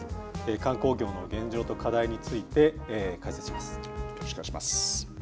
観光業の現状と課題について、解説します。